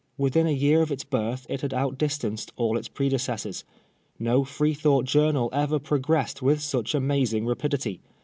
Within a year of its birth it had out di'^oanced all its predecessors. No Freethought journal e*er progressed with such amazing rapidity.